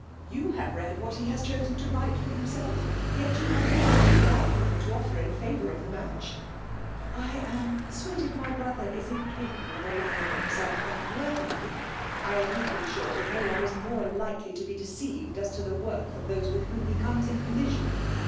" You have read what he has chosen to write for himself; yet you have not a single argu ment to oflTer in favour of the match !"'^ I am persuaded my brother is incapable of allying himself unworthily.'' niCAsjB MM€>mMximMmovf^ 21 "V%m^^>Uy suxQ that no one igiaoi^ liMy \o \yt deceived as to the worth of those wU)iiksiW contoes xn collision.